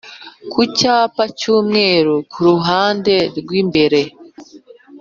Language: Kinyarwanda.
ku cyapa cy’umweru ku ruhande rw’imbere